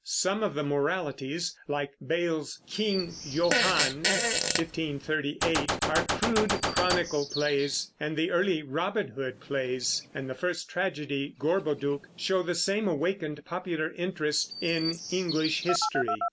Some of the Moralities, like Bayle's King Johan (1538), are crude Chronicle plays, and the early Robin Hood plays and the first tragedy, Gorboduc, show the same awakened popular interest in English history.